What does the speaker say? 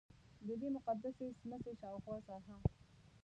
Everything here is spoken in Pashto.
ددې مقدسې څمڅې شاوخوا ساحه.